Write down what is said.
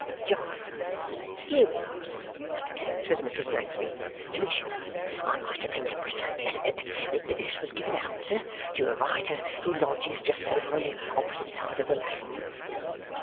"Jarndyce! Here we are, sir," says Mr. Snagsby. "To be sure! I might have remembered it. This was given out, sir, to a writer who lodges just over on the opposite side of the lane."